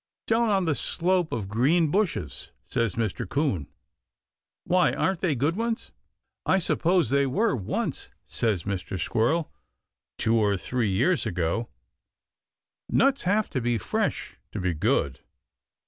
"Down on the slope of Green Bushes," says Mr. 'Coon. "Why, aren't they good ones?" "I suppose they were once," says Mr. Squirrel "two or three years ago. Nuts have to be fresh to be good."